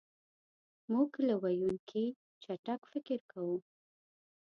مونږ له ویونکي چټک فکر کوو.